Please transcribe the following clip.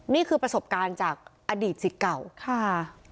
นี่คือประสบการณ์จากอดีตสิทธิ์เก่าค่ะ